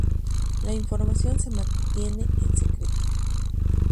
La información se mantiene en secreto.